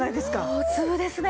大粒ですね！